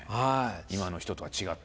今の人とは違って。